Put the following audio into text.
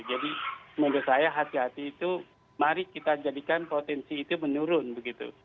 jadi menurut saya hati hati itu mari kita jadikan potensi itu menurun begitu